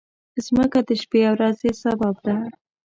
مځکه د شپې او ورځې سبب ده.